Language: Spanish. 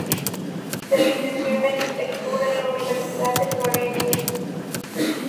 Se licenció en Arquitectura en la Universidad de Florencia.